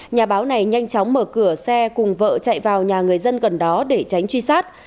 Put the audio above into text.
nhà báo này nhanh chóng mở cửa xe cùng vợ chạy vào nhà người dân gần đó để tránh truy sát